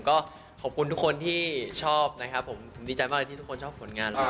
ก็ขอบคุณทุกคนที่ชอบนะครับผมผมดีใจมากเลยที่ทุกคนชอบผลงาน